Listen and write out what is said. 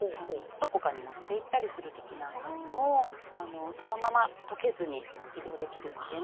どこかに持っていったりする時なんかにもそのまま溶けずに移動できるのでね。